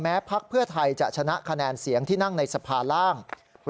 พักเพื่อไทยจะชนะคะแนนเสียงที่นั่งในสภาล่าง